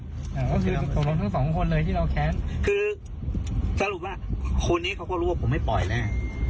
ก็คือตกลงทั้งสองคนเลยที่เราแค้นคือสรุปว่าคนนี้เขาก็รู้ว่าผมไม่ปล่อยแน่